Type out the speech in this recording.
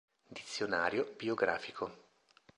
Dizionario biografico.